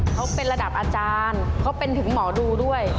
เขาเป็นระดับอาจารย์เขาเป็นถึงหมอดูด้วย